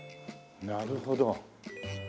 なるほど。